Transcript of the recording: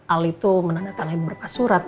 ali tuh menandatangani beberapa surat